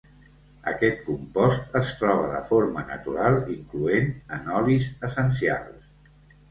Aquest compost es troba de forma natural incloent en olis essencials.